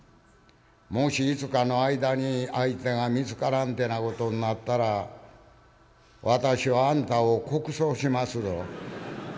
もし５日の間に相手が見つからんてなことになったら私はあんたを告訴しますぞ」。